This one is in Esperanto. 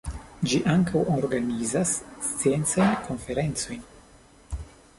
Ĝi ankaŭ organizas sciencajn konferencojn.